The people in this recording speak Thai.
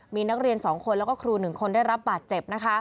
มีนักเรียน๒คนแล้วก็ครู๑คนได้รับบาดเจ็บนะคะ